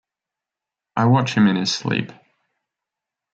I watch him in his sleep.